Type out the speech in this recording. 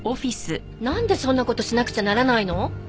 なんでそんな事しなくちゃならないの？